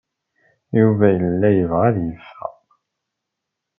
Yuba yella yebɣa ad yeffeɣ.